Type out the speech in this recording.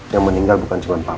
yang meninggal bukan cuman papa